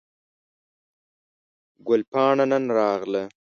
ګل پاڼه نن راغله